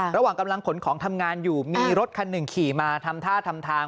ระหว่างกำลังขนของทำงานอยู่มีรถคันหนึ่งขี่มาทำท่าทำทาง